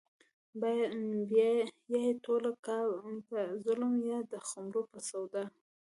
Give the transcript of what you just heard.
يا يې ټوله کا په ظلم يا د خُمرو په سودا